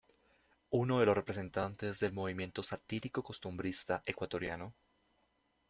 Uno de los representantes del movimiento satírico-costumbrista ecuatoriano.